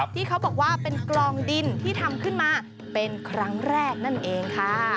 ที่เขาบอกว่าเป็นกลองดินที่ทำขึ้นมาเป็นครั้งแรกนั่นเองค่ะ